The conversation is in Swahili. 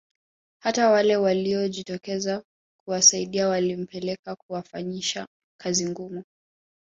Hata wale waliojitokeza kuwasaidia waliwapeleka kuwafanyisha kazi ngumu